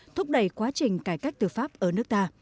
thúc đẩy quá trình cải cách tư pháp ở nước ta